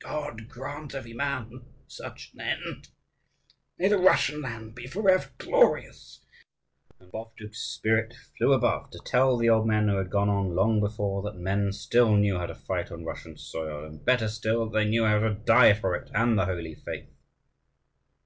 God grant every man such an end! May the Russian land be forever glorious!" And Bovdug's spirit flew above, to tell the old men who had gone on long before that men still knew how to fight on Russian soil, and better still, that they knew how to die for it and the holy faith.